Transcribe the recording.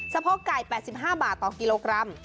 โพกไก่๘๕บาทต่อกิโลกรัม